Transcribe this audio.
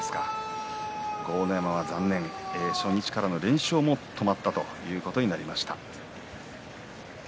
豪ノ山は残念、初日からの連勝も止まったということになりました。